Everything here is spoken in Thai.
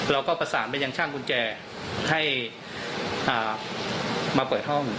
เราก็ประสานไปยังช่างกุญแจให้มาเปิดห้อง